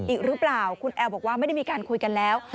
อีกหรือเปล่าคุณแอลบอกว่าไม่ได้มีการคุยกันแล้ว